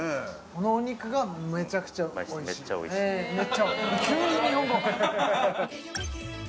このお肉がめちゃくちゃおいしいんですね